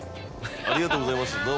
ありがとうございますどうも。